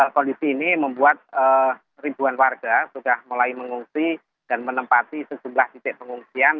kondisi ini membuat ribuan warga sudah mulai mengungsi dan menempati sejumlah titik pengungsian